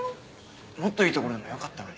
もっといい所でもよかったのに。